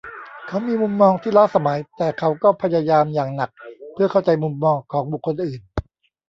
เขามีมุมมองที่ล้าสมัยแต่เขาก็พยายามอย่างหนักเพื่อเข้าใจมุมมองของบุคคลอื่น